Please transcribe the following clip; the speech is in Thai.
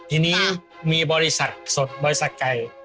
ทีนี้มีบริษัทสดบริษัทไก่